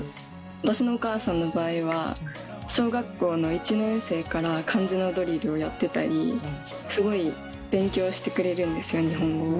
私のお母さんの場合は小学校の１年生から漢字のドリルをやってたりすごい勉強してくれるんですよ日本語を。